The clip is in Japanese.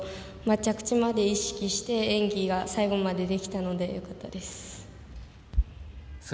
着地まで意識して演技が最後までできたのでよかったです。